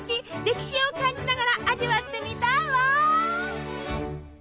歴史を感じながら味わってみたいわ！